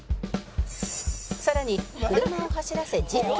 「さらに車を走らせ１０分。